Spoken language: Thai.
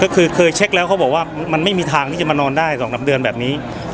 ก็คือเคยเช็คแล้วเขาบอกว่ามันไม่มีทางที่จะมานอนได้๒๓เดือนแบบนี้